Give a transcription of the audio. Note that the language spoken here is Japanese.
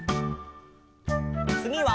つぎは。